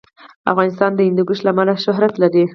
افغانستان د هندوکش له امله شهرت لري.